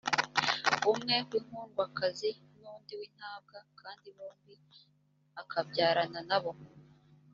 umwe w’inkundwakazi n’undi w’intabwa, kandi bombi akabyarana na bo,